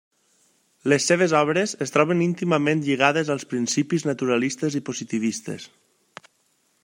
Les seves obres es troben íntimament lligades als principis naturalistes i positivistes.